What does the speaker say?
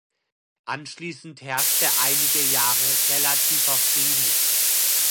Anschließend herrschte einige Jahre relativer Frieden.